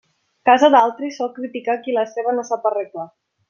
Casa d'altri sol criticar qui la seva no sap arreglar.